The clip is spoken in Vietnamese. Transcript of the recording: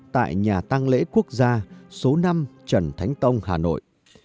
tại nhà tăng lễ quốc gia số năm trần thánh tông hà nội